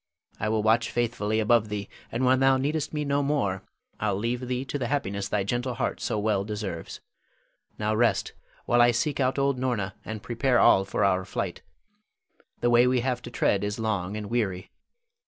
I will watch faithfully above thee, and when thou needest me no more, I'll leave thee to the happiness thy gentle heart so well deserves. Now rest, while I seek out old Norna, and prepare all for our flight. The way we have to tread is long and weary.